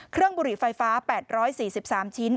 เครื่องบุหรี่ไฟฟ้า๘๔๓ชิ้น